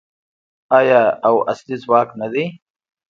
آیا او اصلي ځواک نه دی؟